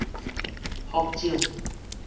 福井